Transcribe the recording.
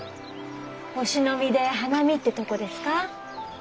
お忍びで花見ってとこですか？